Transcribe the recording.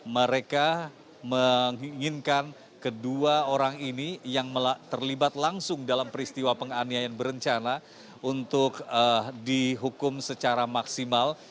mereka menginginkan kedua orang ini yang terlibat langsung dalam peristiwa penganiayaan berencana untuk dihukum secara maksimal